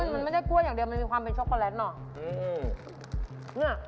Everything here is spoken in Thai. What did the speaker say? มันไม่ได้กรอบอย่างเดิมมีความเป็นโชกโกแลตนะ